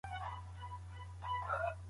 موږ د خپلو مشرانو فکري میراث ته سر ټیټوو.